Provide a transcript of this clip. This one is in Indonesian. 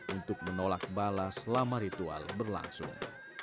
untuk menolak bala selama ritual berlangsung